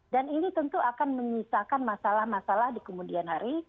ini tentu akan menyisakan masalah masalah di kemudian hari